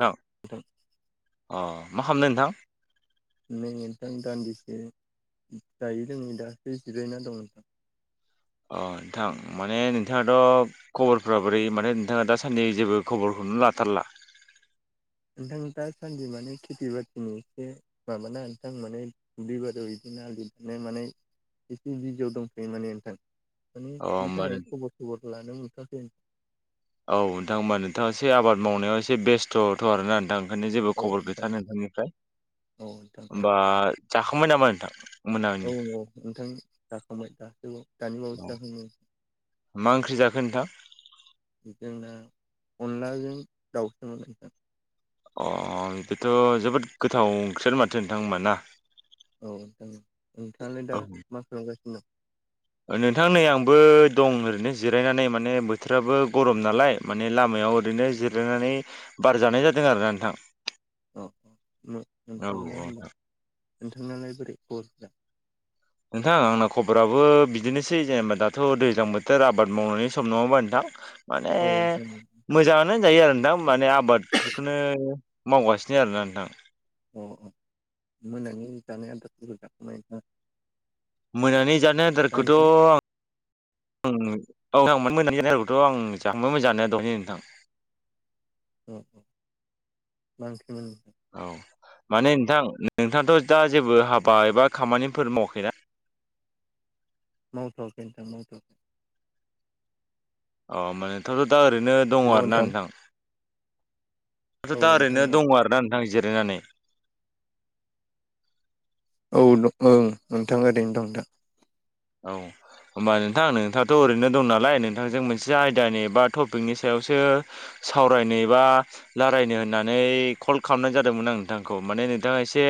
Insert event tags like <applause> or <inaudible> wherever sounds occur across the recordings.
नोंथां <inaudible> अ मा खालामदों नोंथां? नै नोंथां दान्दिसे दायो जों नै दा एसे जिरायना दं नोंथां। अ नोंथां माने नोंथाङाथ' खबरफ्रा बोरै माने नोंथाङा दासानदै जेबो खबर खौनो लाथारला आं दासान्दि माने खेथि बाथिनि एसे माबाना नोंथां माने दुब्लिबारियाव बिदिनो आलि नाय मानाय एसे बिजियाव दंथ'यो माने नोंथां। माने अ बिनि होमबा थाखायनो नों खबर सबरफोर लानो मोनथ'वाखै आं औ नोंथां होमबा नोंथाङा एसे आबाद मावनायाव एसे बेस्थ'थ' आरोना नोंथां ओंखायनो जेबो औ खबर नोंथां गैथ्रा नोंथांनिफ्राय औ नोंथां होमबा जाखांबाय नामा नोंथां मोनानि औ औ औ नोंथां जाखांबाय दा औ दानि अ बावैसो जाखांदों। मा ओंख्रि जाखो नोंथां? जोंना अनलाजों दाउसोमोन नोंथां। अ बेथ' जोबोद गोथाव ओंख्रियानो माथो नोंथां होनबा ना औ नोंथां। नोंथाङालाय दा मा खालामगासिनो दं? नोंथां नै आंबो दं ओरैनो जिरायनानै माने बोथोराबो गरम नालाय माने लामा याव ओरैनो जिरायनानै बार जानाय जादों आरोना नोंथां। अ औ नोंथांना औ होनबा नोंथांनालाय बोरै खबरफोरा? नोंथां आंना खबराबो बिदिनोसै जेनेबा दाथ' दैज्लां बोथोर आबाद मावनायनि सम नङा होनबा नोंथां माने औ नोंथां मोजां होनजायो आरो नोंथां माने आबादफोरखौनो मावगासिनो आरोना नोंथां। अ अ मोनानि जानाया आदारफोरखौ जाखांबाय नोंथाङा? मोनानि जानाय आदारखौथ' आं औ मोनानि जानाय आदारखौथ' आं जाखांबायमोन जानाया दहायनो नोंथां। औ औ मा ओंख्रिमोन? औ माने नोंथां नोंथाङाथ' दा जेबो हाबा एबा खामानिफोर मावाखैना? मावथआखै नोंथां मावथ'आखै। अ ओमबा नोंथांआथ' दा ओरैनो दङ आरोना नोंथां? आंथ औ दा नोंथां ओरैनो औ दङ आरोना नोंथां जिरायनानै। औ ओं नोंथां ओरैनो दं दा। औ होमबा नोंथां नोंथाङाथ ओरैनो दं नालाय नोंथांजों मोनसे आयदानि बा टपिकनि सायावसो सावरायनो एबा लारायनो होननानै कल खालामनाय जादोंमोन आं नोंथांखौ माने नोंथाङा एसे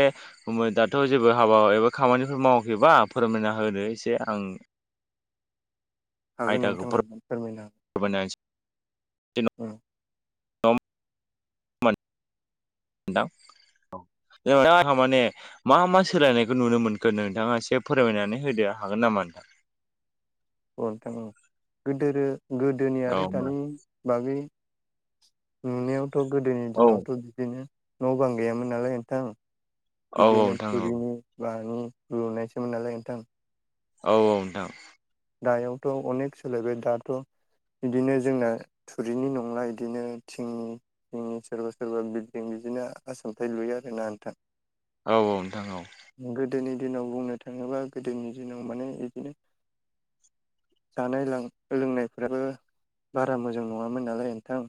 उम दाथ' जेबो हाबा एबा खामानिफोर मावाखैबा फोरमायना होदो एसे आं हागोन आयदाखौ नोंथां हागोन फोरमायनो हागोन। फोरमायना <inaudible> <inaudible> नोंथां <unintelligible> माने मा मा सोलायनायखौ नुनो मोनगोन नोंथाङा एसे फोरमायनानै होदो हागोन नामा नोंथां? औ नोंथां औ गोदोरो गोदोनि औ आरो होमबा दानि बागै नुनायावथ गोदोनि औ दिनावथ बिदिनो न' बां गैयामोन नालाय नोंथां औ बिदिनो नोंथां औ थुरिनि मानि लुनायसोमोन नालाय नोंथां। औ औ नोंथां। दायावथ अनेक सोलायबाय दाथ बिदिनो जोंना थुरिनि नंला इदिनो थिंनि थिंनि सोरबा सोरबा बिल्दिं बिदिनो आसामथाइब लुयो आरोना नोंथां। औ औ नोंथां औ। गोदोनि दिनाव बुंनो थाङोब्ला गोदोनि दिनाव माने इदिनो जानाय लां लोंनायफोराबो बारा मोजां नङामोन नालाय नोंथां।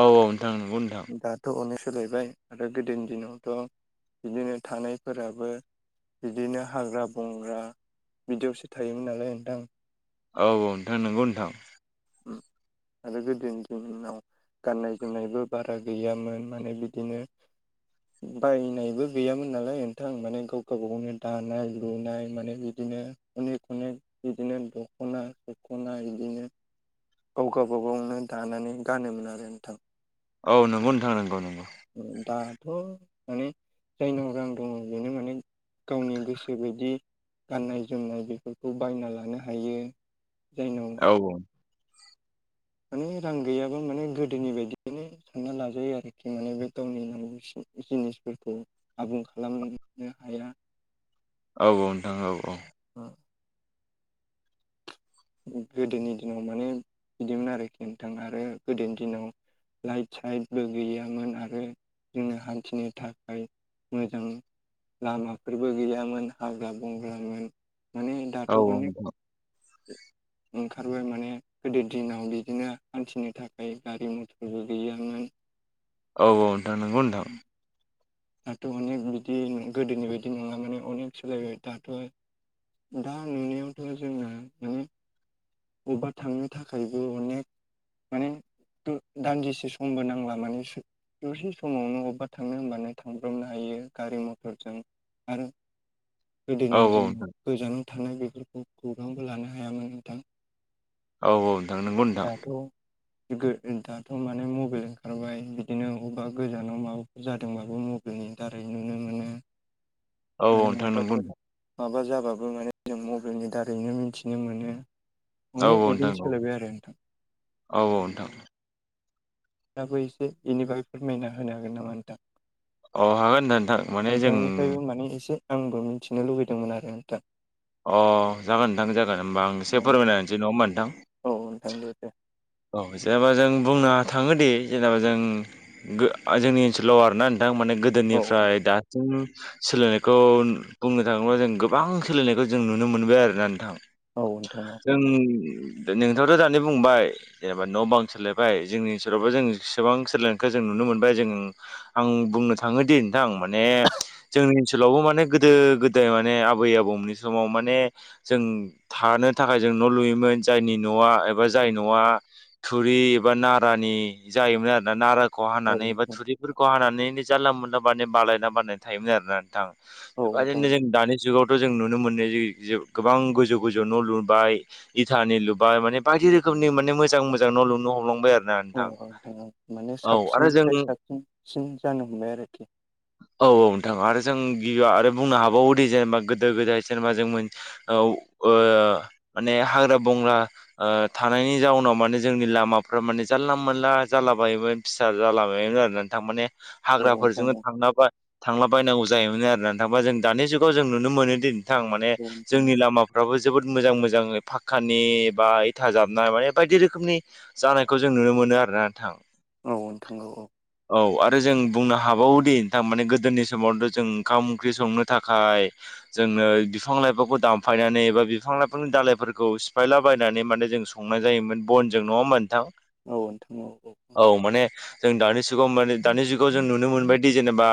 औ औ नोंथां नंगौ नोंथां। दाथ' अनेक सोलायबाय आरो गोदोनि दिनावथ बिदिनो थानायफोराबो बिदिनो हाग्रा बंग्रा बिदियावसो थायोमोन नालाय नोंथां। औ औ नोंथां नंगौ नोंथां। आरो गोदोनि दिनाव गाननाय जोमनायबो बारा गैयामोन माने बिदिनो बायनायबो गैयामोन नालाय नोंथां माने गाव गाव गावनो दानाय लुनाय माने बिदिनो बिदिनो अनेक अनेक बिदिनो दखना दखना इदिनो गाव गावाबागावनो दानानै गानोमोन आरो नोंथां। औ नंगौ नोंथां नंगौ नंगौ। उम दाथ माने <unintelligible> दङ बेनो माने गावनि गोसो बायदि गाननाय जोमनाय बेफोरखौ बायना लानो हायो। जायनाव औ! माने रां गैयाब्ला माने गोदोनि बायदियनो साना लाजायो आरोखि माने बे गावनि नांगौ जिनिसफोरखौ आबुं खालामनो हाया। औ औ नोंथां औ औ। गोदोनि दिनाव माने बिदिमोन आरोखि नोंथां। आरो गोदोनि दिनाव लाइट साइटबो गैयामोन। आरो जोङो हान्थिनो थाखाय मोजां लामाफोरबो गैयामोन हाग्रा बंग्रामोन। माने औ दाथ औ अनेक नोंथां ओंखारबाय माने गोदो दिनाव बिदिनो हान्थिनो थाखाय गारि मथरबो गैयामोन। <inaudible> औ औ नोंथां नोंगौ नोंथां। दाथ अनेक बिदि गोदोनि बायदि नंला मनानै अनेक सोलायबाय दाथ दा नुनायावथ जोङो माने अबेबा थांनो थाखायबो अनेक माने दान्दिसे समबो नांला माने दसे समावनो अबेबा थांनो होनबानो थांब्रबनो हायो गारि मथरजों आरो। औ गोदोनि औ दिनाव नोंथां गोजानाव थानाय बेफोरखौ खौरांबो लानो हायामोन नोंथां। औ औ नोंथां नोंगौ नोंथां। दाथ' दाथ' माने मबाइल ओंखारबाय बिदिनो अबेबा गोजानाव माबाफोर जादोंबाबो मबाइलनि दारै नुनो मोनो। औ माने नोंथां नोंगौ। माबाफोर माबा जाबाबो माने जों मबाइलनि दारैनो मिथिनो मोनो। औ अनेक औ बिदि नोंथां औ सोलायबाय आरो नोंथां। औ औ नोंथां दाबो एसे बेनिफ्रायै फोरमायना होनो हागोन नामा नोंथां। अ हागोन नोंथां नोंथां माने जों नोंथांनिफ्रायबो माने एसे। आंबो मिथिनो लुबैदोंमोन आरो नोंथां। अ जागोन नोंथां जागोन होमबा आं एसे फोरमायनोसै नङा होमबा नोंथां। औ नोंथां। औ जेनेबा जों बुंनो थाङोदि जेनेबा जों जोंनि ओनसोलाव आरोना थां माने औ गोदोनिफ्राय दासिम सोलायनायखौ बुंनो थाङोब्ला जों गोबां सोलायनायखौ जों नुनो मोनबाय आरोना नोंथां। औ नोंथां औ जों नोंथांथ' दानि बुंबाय। जेनेबा न' बां सोलायबाय जोंनि ओनसोलावबो जों एसेबां सोलायनायखौ जों नुनो मोनबाय जों आं बुंनो थाङो दे नोंथां माने जोंनि ओनसोलावबो माने गोदो गोदाय माने आबै आबौमोननि समाव। माने जों थानो थाखाय जों न' लुयोमोन जायनि न'आ एबा जाय न'आ। थुरि एबा नारानि जायोमोन आरोना नारा। औ हानानै एबा नोंथां थुरिफोरखौ हानानै जानला मोनला बानय बालायना बानायनाय थायोमोन आरोना नोंथां। औ नोंथां औ बेबायदिनो जों दानि जुगाव जों नुनो मोनो ज गोबां गोजौ गोजौ न' लुबाय इटानि लुबाय माने बायदि रोखोम। मनि मोजां मोजां न' लुनो हमलांबाय आरो। ना औ नोंथां औ माने औ आरो साबसिननिफ्राय जों साबसिनसिन जानो हमबाय आरोखि। औ औ नोंथां आरो जों गिबि आरो बुंनो हाबावोदि जेनेबा गोदो गोदाय जेनेबा जों मोन औ माने हाग्रा बंग्रा थानायनि जाउनाव माने जोंनि लामाफ्रा माने जानला मोनला जालाबायोमोन फिसा जालाबायोमोन आरोना नोंथां माने औ नोंथां हाग्राफोरजोंनो औ थांला थांलाबायनांगौ जायोमोन आरोना थांबा जों दानि जुगाव जों नुनो मोनोदि माने औ नोंथां जोंनि लामाफ्राबो जोबोद मोजां मोजां फाक्कानि बा इथा जाबनाय माने बायदि रोखोमनि जानायखौ जों नुनो मोनो आरोना नोंथां। औ नोंथां औ। औ आरो जों बुंनो हाबावोदि थारमाने गोदोनि समावथ' जों ओंखाम ओंख्रि संनो थाखाय। जोंनो बिफां लाइफांखौ दानफायनानै एबा बिफां लाइफांनि दालायफोरखौ सिफायला बायनानै माने जों संनाय जायोमोन बनजों नङा होनबा नोंथां औ नोंथांमोन। औ माने जों दानि जुगाव माने दानि जुगाव जों नुनो मोनबायदि जेनेबा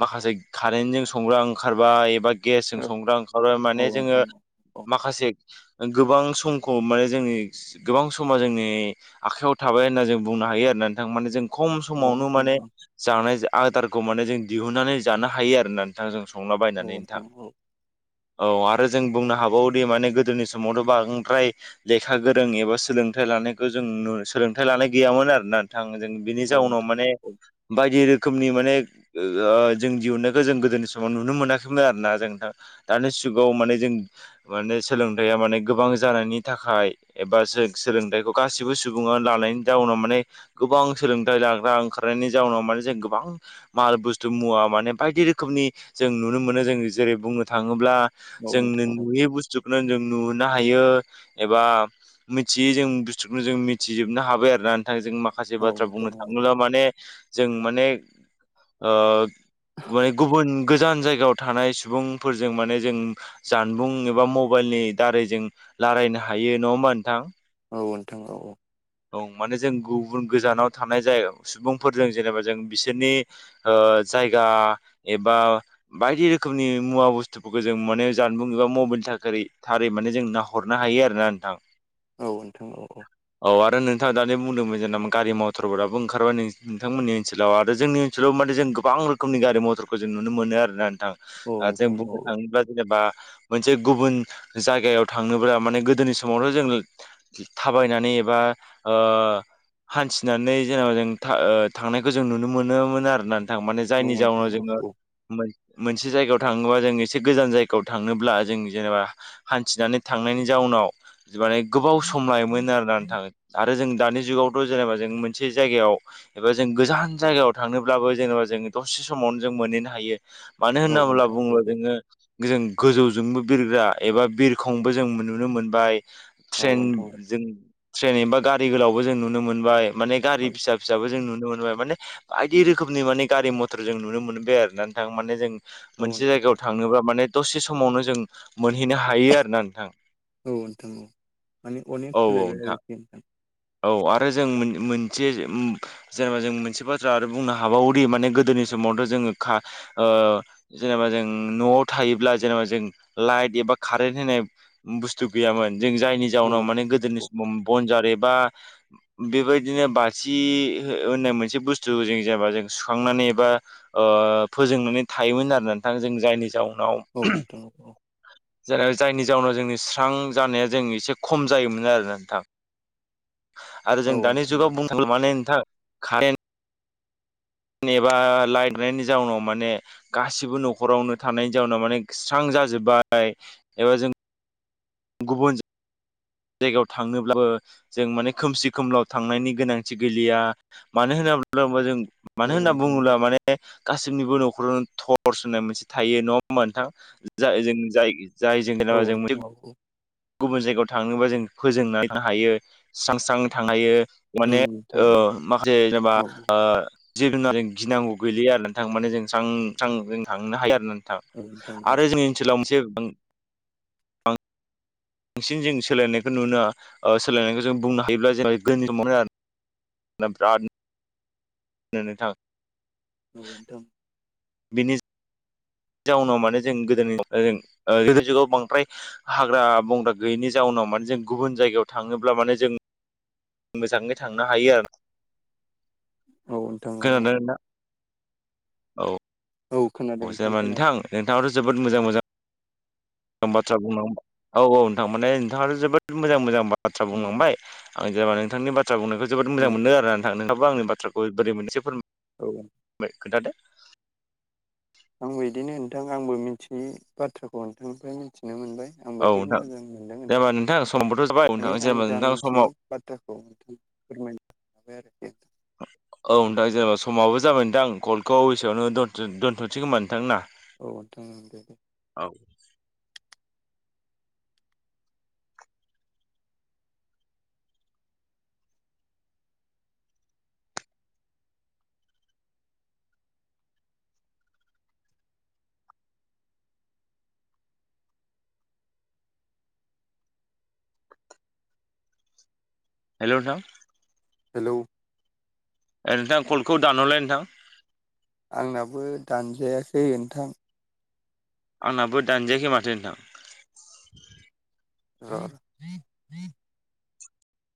माखासे कारेन्टजों संग्रा ओंखारबाय एबा गेसजों औ संग्रा ओंखारबाय माने जोङो माखासे गोबां समखौ माने जोङो। गोबां समा जोंनि आखायाव थाबाय होनना जों बुंनो हायो आरो नोंथां माने जों खम औ समावनो नोंथां माने जानाय आदारखौ माने जों दिहुननानै जानो हायो आरोना नोंथाङा जों संलाबायनानै नोंथां‌। औ नोंथां औ औ आरो जों बुंनो हाबावोदि माने गोदोनि समावथ' बांद्राय लेखा गोरों एबा सोलोंथाइ लानायखौ जों नु सोलोंथाइ लानाय गैयामोन आरोना। थाङो जों बिनि जाउनाव माने औ बायदि रोखोम रोखोमनि माने ओ जों दिहुननो जों गोदोनि समाव नुनो मोनाखैमोन आरोना जों नोंथां दानि जुगाव माने जों माने सोलोंथाया माने गोबां जानायनि थाखाय। एबा सो सोलोंथायखौ गासिबो सुबुङा लानायनि जाउनाव माने गोबां सोलोंथाय लाग्रा ओंख कारेन्टनि जाउनाव माने जों गोबां माल बुस्थु मुवा माने बायदि रोखोमनि जों नुनो मोनो जों जेरै बुंनो थाङोब्ला जोंनो नोंथां नोयि औ बुस्थुखौनो जों नुहोनो हायो एबा। मिथियै जों बुस्थुखौनो जों मिथिजोबनो हाबाय आरो ना। जों माखासे औ नोंथां औ नोंथां औ नोंथां औ बाथ्रा बुंनो नोंथां थाङोब्ला माने जों माने ओ गुनाय गुबुन गोजान जायगायाव थानाय सुबुंफोरजों माने जों जानबुं एबा मबाइलनि दारै जों लारायनो हायो नङा होमबा। नोंथां औ नोंथां औ औ। औ माने जों गुबुन गोजानाव थानाय जाय सुबुंफोरजों जेनेबा जों बिसोरनि ओ जायगा एबा बायदि रोखोमनि मुवा बुस्थुखौबो जों माने जानबुं एबा मबाइल थाखोरै थारै माने जों नाहरनो हायो आरोना नोंथां। औ नोंथां औ औ। औ आरो नोंथाङा दानि बुंदोंमोन जेने गारि मथरफोराबो ओंखारबाय नों नोंथांमोननि ओनसोलाव आरो जोंनि ओनसोलाव। माने जों गोबां रोखोमनि गारि मथरखौ जों नुनो मोनो आरोना नोंथां औ जों बुंनो थाङोब्ला जेनेबा मोनसे गुबुन जायगायाव थांनोब्ला माने गोदोनि समावथ जों थाबायनानै ए बा ओ हानथिनानै जेनेबा जों ओ थांनायखौ जों नुनो मोनोमोन आरोना। थांनाय माने जायनि नोंथां जाउनाव औ जोङो औ मोनसे जायगायाव थाङोबा जों एसे गोजान जायगायाव थांनोब्ला जों जेनेबा हान्थिनानै थांनायनि जाव उनाव माने गोबाव सम लायोमोन आरोना। नोंथां आरो जों दानि जुगावथ जेनेबा जों मोनसे जायगायाव एबा जों गोजान जायगायाव थांनोब्लाबो जेनेबा जों दसे समावनो जों मोनहैनो हायो मानो औ होनोब्ला नोंथां औ बुङोब्ला जोङो ओजों गोजौजोंबो बिरग्रा एबा बिरखंबो जों नुनो मोनबाय औ ट्रेइन नोंथां जों ट्रेइन एबा गारि गोलावबो जों नुनो मोनबाय माने गारि औ फिसा फिसाबो जों नुनो मोनबाय। माने बायदि रोखोमनि माने गारि मथर जों नुनो मोनबाय आरो नोथां माने जों। औ मोनसे नोंथां जायगायाव औ थांनोबा माने दसे समावनो जों मोनहैनो हायो आरोना नोंथां। औ नोंथां औ माने अनेक औ औ नोंथां। <unintelligible> औ आरो जों मोन मोनसे उम जेनेबा जों मोनसे बाथ्रा आरो बुंनो हाबावयोदि माने गोदोनि समावथ जोङो खा ओ जेनेबा जों नयाव थायोब्ला जेनेबा जों लाइट बा कारेन्ट होनाय बुस्थु गैयामोन जों जायनि औ जाउनाव माने नोंथां गोदोनि औ समाव जेरैबा बेबायदिनो बाथि होननाय मोनसे बुस्थु जों जेनेबा जों सुखांनानै एबा ओ फोजोंनानै थायोमोन आरो नोंथां जों जायनि जाहोनाव औ नोथां औ। जाय जायनि जाउनाव जोंनि स्रां जानाया जों एसे खम जायोमोन आरोना नोंथां। आरो जों औ दानि नोंथां जुगाव औ बुंनो थाङोबा माने नोंथां कारेन्ट एबा लाइट गैयिनि जाउनाव माने गासिबो नखरावनो थानायनि जाउनाव माने स्रां जाजोबा एबा जों गुबुन जायगायाव थांनोब्लाबो जों माने खोमसि खोमलाव थांनायनि गोनांथि गैलिया मानो होनना बुङोब्ला जों मानो औ होनना नोंथां औ बुङोब्ला माने गासैनिबो नखरावनो थर्स होननाय मोनसे थायो नङा होमबा नोंथां। जों जाय जाय जों जेनबा जों नोंथां औ औ गुबुन जायगायाव थांनोबा जों फोजोंनानै थानो हायो स्रां स्रांनो थांनो हायो। माने उम नोंथां ओ माखासे जेनबा औ ओ जेबो जों गिनांगौ गैलैया आरो नोंथां माने जों स्रां स्रां जों थांनो हायो आरोना नोंथां। औ नोंथां औ आरो जोंनि ओनसोलाव मोनसे बांसिन जों सोलायनायखौ नुनो ओ सोलायनायखौ जों बुंनो हायोब्ला जोंनि समावनो आरो। दा बिराद नो नोंथां औ नोंथां। बिनि जाउनाव माने जों गोदोनि गोदेनि जुगाव बांद्राय हाग्रा बंग्रा गैयिनि जाउनाव माने जों गुबुन जायगायाव थाङोब्ला माने जों मोजाङै थांनो हायो आरोना औ नोंथां औ औ। औ औ जेनेबा नोंथां नोंथाङाथ' जोबोद मोजां मोजां मोजां बाथ्रा बुंलांबाय। औ औ नोंथां माने नोंथाङाथ' जोबोद मोजां मोजां बाथ्रा बुंलांबाय आं जेबा नोंथांनि ब्रा बुंनायखौ जोबोद मोजां मोनदों उम आरोना नोंथां। नोंथांआबो आंनि बाथ्राखौ बोरै मोनखो मोननैसो औ फोरमाय खोन्थादो आंबो बिदिनो नोंथां आंबो मिथियै बाथ्राखौ नोंथांनिफ्राय मिथिनो मोनबाय। आंबो औ जोबोद नोंथां मोजां मोनदों जेबा नोंथां सम माने आं जा मिथियै बाथ्राखौ नोंथां फोरमायनो लायो आरोखि। औ नोंथां जेनेनबा समाबो जाबाय नोंथां कलखौ एसेआवनो' दोनथ'सै खोमा नोंथां ना? औ दे दे <inaudible> हेल' नोंथां हेलौ ओै नोंथां कलखौ दानहरलाय नोंथां। आंनाबो दानजायाखै नोंथां आंनाबो दानजायाखै माथो नोंथां। <inaudible>